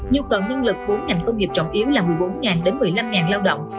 nhu cầu năng lực bốn ngành công nghiệp trọng yếu là một mươi bốn đến một mươi năm lao động